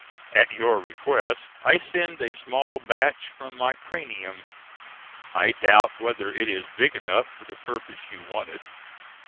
At your request I send a small batch from my cranium. I doubt whether it is big enough for the purpose you want it.